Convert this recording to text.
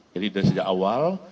jadi dari awal